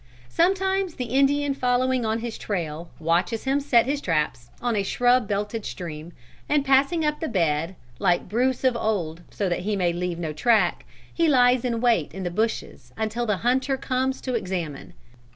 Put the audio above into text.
"Sometimes the Indian following on his trail, watches him set his traps on a shrub belted stream, and passing up the bed, like Bruce of old, so that he may leave no track, he lies in wait in the bushes until the hunter comes to examine.